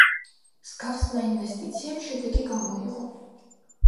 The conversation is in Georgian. მსგავსმა ინვესტიციამ შედეგი გამოიღო.